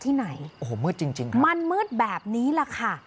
ที่ไหนโอ้โหมืดจริงจริงมันมืดแบบนี้แหละค่ะ